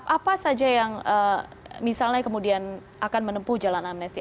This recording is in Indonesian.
apa saja yang misalnya kemudian akan menempuh jalan amnesti